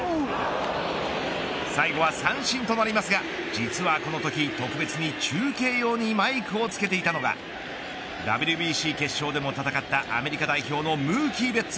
最後は三振となりますが実はこのとき特別に中継用にマイクを着けていたのがＷＢＣ決勝でも戦ったアメリカ代表のムーキー・ベッツ